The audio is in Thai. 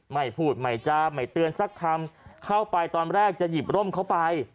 ไม่พูดไม่จาไม่เตือนสักคำเข้าไปตอนแรกจะหยิบร่มเข้าไป